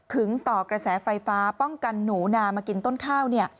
ต่อกระแสไฟฟ้าป้องกันหนูนามากินต้นข้าว